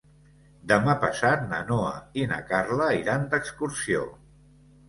Demà passat na Noa i na Carla iran d'excursió.